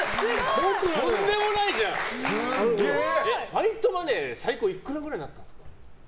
ファイトマネーは最高いくらくらいだったんですか。